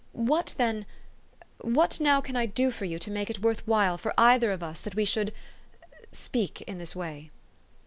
What then what now can I do for you to make it worth while for either of us that we should speak in this way?